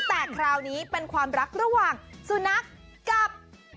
แต่คราวนี้เป็นความรักระหว่างสุนัขกับ